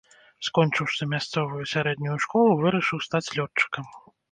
Скончыўшы мясцовую сярэднюю школу, вырашыў стаць лётчыкам.